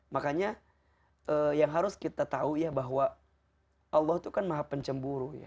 makanya yang harus kita tahu ya bahwa allah itu kan maha pencemburu ya